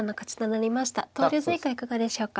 投了図以下いかがでしょうか。